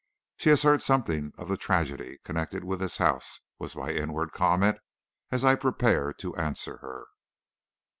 "She has heard something of the tragedy connected with this house," was my inward comment, as I prepared to answer her.